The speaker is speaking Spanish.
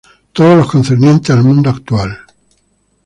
Todos los concernientes al mundo actual.